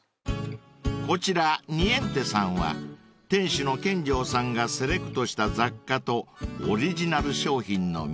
［こちらニエンテさんは店主の見城さんがセレクトした雑貨とオリジナル商品の店］